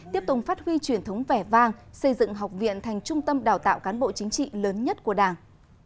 tiếp tục phát huy truyền thống vẻ vang xây dựng học viện thành trung tâm đào tạo cán bộ chính trị lớn nhất của đảng